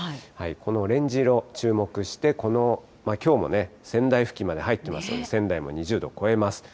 このオレンジ色注目して、この、きょうもね、仙台付近まで入ってきますので、仙台も２０度超えます。